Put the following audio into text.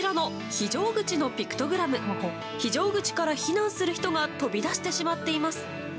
非常口から避難する人が飛び出してしまっています。